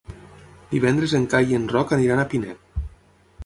Divendres en Cai i en Roc aniran a Pinet.